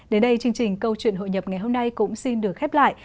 đến đây chương trình câu chuyện hội nhập ngày hôm nay cũng xin được khép lại